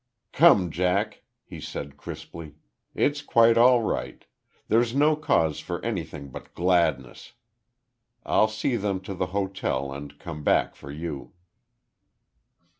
"Come, Jack," he said crisply. "It's quite all right. There's no cause for anything but gladness. I'll see them to the hotel, and come back for you."